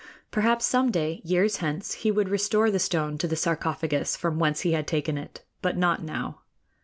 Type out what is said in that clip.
Perhaps some day, years hence, he would restore the stone to the sarcophagus from whence he had taken it; but not now.